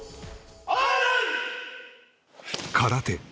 空手。